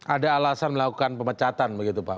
ada alasan melakukan pemecatan begitu pak